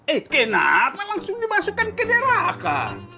eh kenapa langsung dimasukkan ke neraka